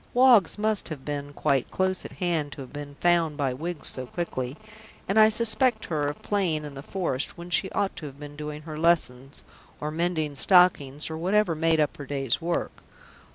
Woggs must have been quite close at hand to have been found by Wiggs so quickly, and I suspect her of playing in the forest when she ought to have been doing her lessons, or mending stockings, or whatever made up her day's work.